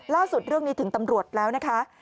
เรื่องนี้ถึงตำรวจแล้วนะคะ